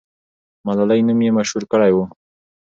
ملالۍ نوم یې مشهور کړی وو.